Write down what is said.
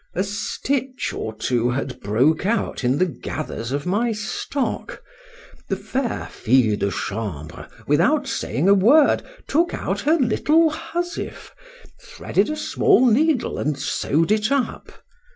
A stitch or two had broke out in the gathers of my stock; the fair fille de chambre, without saying a word, took out her little housewife, threaded a small needle, and sew'd it up.